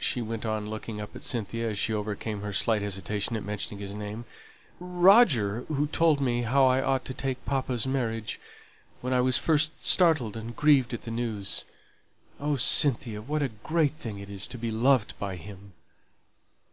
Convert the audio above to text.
she went on looking up at Cynthia, as she overcame her slight hesitation at mentioning his name "Roger, who told me how I ought to take papa's marriage, when I was first startled and grieved at the news. Oh, Cynthia, what a great thing it is to be loved by him!"